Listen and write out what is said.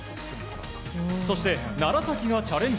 そして、楢崎がチャレンジ。